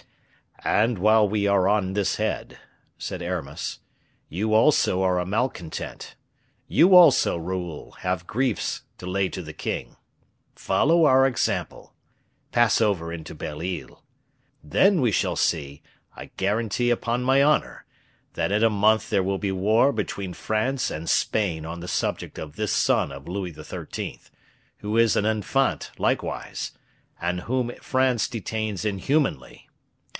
"And while we are on this head," said Aramis, "you also are a malcontent; you also, Raoul, have griefs to lay to the king. Follow our example; pass over into Belle Isle. Then we shall see, I guarantee upon my honor, that in a month there will be war between France and Spain on the subject of this son of Louis XIII., who is an Infante likewise, and whom France detains inhumanly.